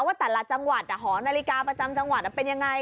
ว่าแต่ละจังหวัดหอนาฬิกาประจำจังหวัดเป็นยังไง